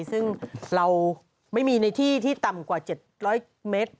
ซึ่งเราไม่มีในที่ที่ต่ำกว่า๗๐๐เมตร